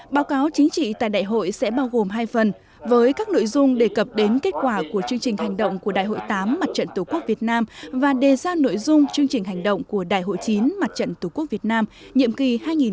báo cáo chính trị tại đại hội sẽ bao gồm hai phần với các nội dung đề cập đến kết quả của chương trình hành động của đại hội viii mặt trận tổ quốc việt nam và đề ra nội dung chương trình hành động của đại hội chín mặt trận tổ quốc việt nam nhiệm kỳ hai nghìn một mươi chín hai nghìn hai mươi bốn